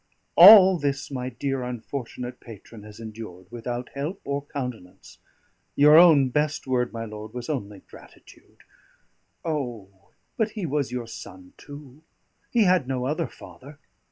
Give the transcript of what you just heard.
All this my dear, unfortunate patron has endured without help or countenance. Your own best word, my lord, was only gratitude. O, but he was your son too! He had no other father.